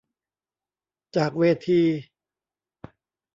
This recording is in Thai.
จากเวที